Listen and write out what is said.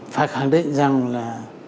phải khẳng định rằng là